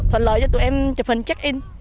thuận lợi cho tụi em chụp phần check in